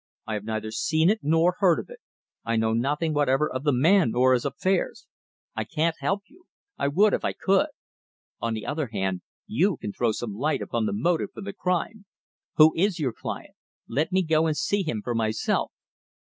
I have neither seen it nor heard of it. I know nothing whatever of the man or his affairs. I can't help you. I would if I could. On the other hand, you can throw some light upon the motive for the crime. Who is your client? Let me go and see him for myself."